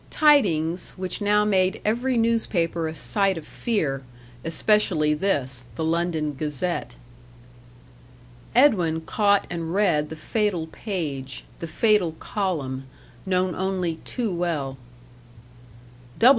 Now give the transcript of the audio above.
Tidings, which now made every newspaper a sight of fear, especially this the London Gazette. Edwin caught and read the fatal page the fatal column known only too well.